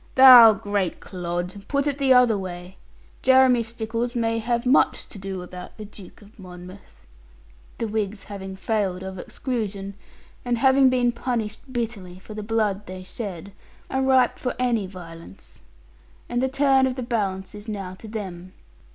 'Thou great clod, put it the other way. Jeremy Stickles may have much to do about the Duke of Monmouth. The Whigs having failed of Exclusion, and having been punished bitterly for the blood they shed, are ripe for any violence. And the turn of the balance is now to them.